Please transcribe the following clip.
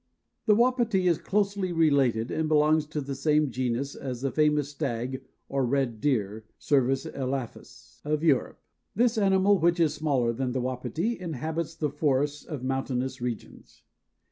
The Wapiti is closely related and belongs to the same genus as the famous stag or red deer (Cervus elaphus) of Europe. This animal, which is smaller than the Wapiti, inhabits the forests of mountainous regions.